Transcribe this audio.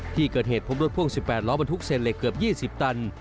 ที่เกิดเหตุพบรถพ่วง๑๘ล้อบรรทุกเศษเหล็กเกือบ๒๐ตัน